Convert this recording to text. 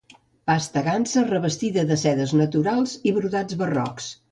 Pasta gansa revestida de sedes naturals i brodats barrocs.